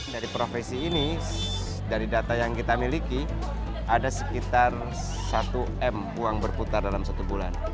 dari profesi ini dari data yang kita miliki ada sekitar satu m uang berputar dalam satu bulan